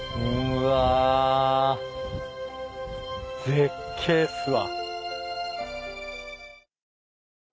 絶景っすわ。